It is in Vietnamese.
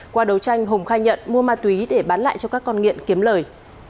qua đấu tranh hùng khai nhận mua ma túy để bán lại cho các con nghiện kiếm lời